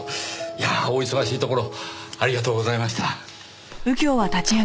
いやあお忙しいところありがとうございました。